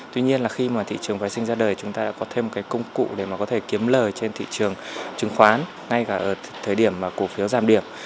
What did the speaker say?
tuy nhiên là khi mà thị trường vệ sinh ra đời chúng ta đã có thêm cái công cụ để mà có thể kiếm lời trên thị trường chứng khoán ngay cả ở thời điểm mà cổ phiếu giảm điểm